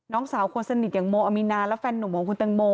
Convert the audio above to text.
น้องสาวคนสนิทอย่างโมอามีนาและแฟนหนุ่มของคุณตังโม